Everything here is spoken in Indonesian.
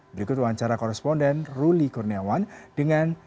berikut wawancara koresponden ruli kurniawan dengan